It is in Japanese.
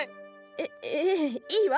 えっええいいわ。